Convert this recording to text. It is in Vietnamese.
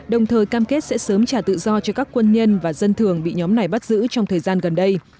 đồng thời cam kết sẽ sớm trả tự do cho các quân nhân và dân thường bị nhóm này bắt giữ trong thời gian gần đây